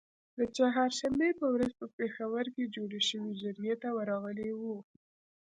د چهارشنبې په ورځ په پیښور کې جوړی شوې جرګې ته ورغلي وو